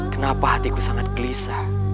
kenapa hatiku sangat gelisah